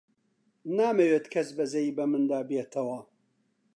نامەوێت کەس بەزەیی بە مندا بێتەوە.